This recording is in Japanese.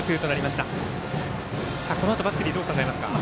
このあとバッテリーはどう考えますか。